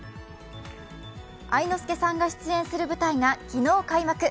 愛之助さんが出演する舞台が昨日開幕。